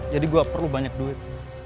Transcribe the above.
jadi gua perlu banyak duit